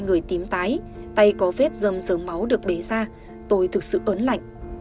người tím tái tay có vết dầm sớm máu được bế ra tôi thực sự ớn lạnh